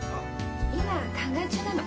今考え中なの。